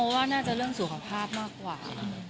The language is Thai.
ว่าน่าจะเรื่องสุขภาพมากกว่า